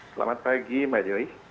selamat pagi mbak joy